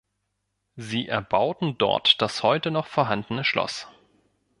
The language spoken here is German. Sie erbauten dort das heute noch vorhandene Schloss.